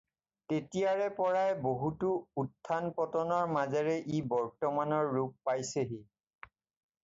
তেতিয়াৰে পৰাই বহুতো উত্থান-পতনৰ মাজেৰে ই বৰ্তমানৰ ৰূপ পাইছেহি।